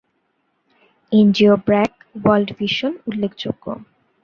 NGO BRAC, World Vision উল্লেখযোগ্য।